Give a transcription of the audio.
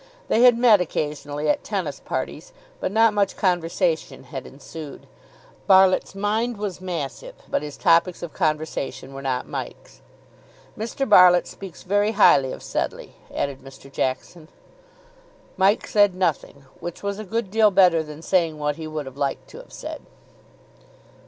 They had met occasionally at tennis parties, but not much conversation had ensued. Barlitt's mind was massive, but his topics of conversation were not Mike's. "Mr. Barlitt speaks very highly of Sedleigh," added Mr. Jackson. Mike said nothing, which was a good deal better than saying what he would have liked to have said.